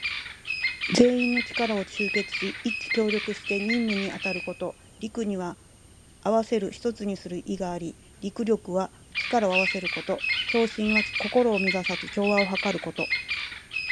全員の力を結集し、一致協力して任務に当たること。「戮」には合わせる、一つにする意があり、「戮力」は力を合わせること。「協心」は心を乱さず、調和をはかること。